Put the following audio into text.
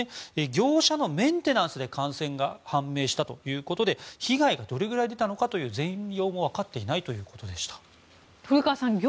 業者のメンテナンスで感染が判明したということで被害がどれぐらい出たのかという全容も分かっていないということでした。